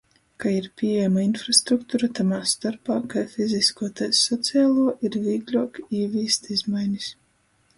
Ka ir pīejama infrastruktura, tamā storpā kai fiziskuo, tai socialuo, ir vīgļuok īvīst izmainis.